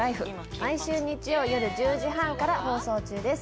毎週日曜夜１０時半から放送中です。